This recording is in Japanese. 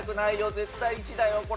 絶対１だよこれ。